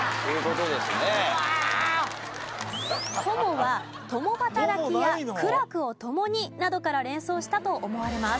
「共」は「共働き」や「苦楽を共に」などから連想したと思われます。